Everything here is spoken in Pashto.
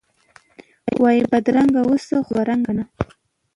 وایی بدرنګه اوسه، خو دوه رنګه نه!